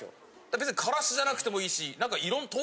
別にからしじゃなくてもいいし。